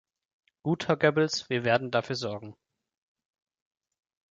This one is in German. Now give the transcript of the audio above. Gut, Herr Goebbels, wir werden dafür sorgen.